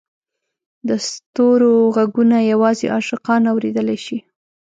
د ستورو ږغونه یوازې عاشقان اورېدلای شي.